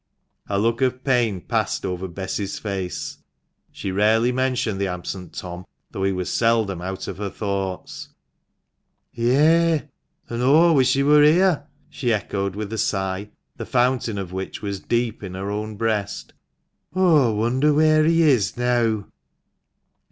A look of pain passed over Bess's face. She rarely mentioned the absent Tom, though he was seldom out of her thoughts. " Yea, an' aw wish he wur here !" she echoed with a sigh, the fountain of which was deep in her own breast. "Aw wonder where he is neaw."